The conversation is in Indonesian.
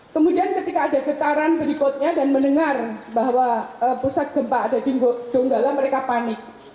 kemudian ketika ada getaran berikutnya dan mendengar bahwa pusat gempa ada di donggala mereka panik